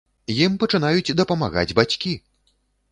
Ім пачынаюць дапамагаць бацькі!